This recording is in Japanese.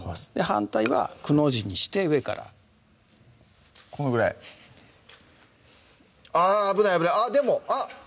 反対はくの字にして上からこのぐらいあ危ない危ないあっでもあっ！